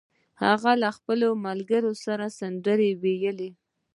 هغه له خپلو ملګرو سره سندرې ویلې